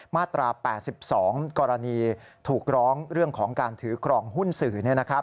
มาตรา๘๒กรณีถูกร้องเรื่องของการถือครองหุ้นสื่อ